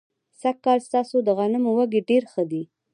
سږ کال ستاسو د غنمو وږي ډېر ښه دي.